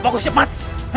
apa kau cepat